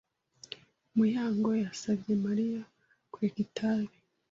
Muyango yasabye Mariya kureka itabi.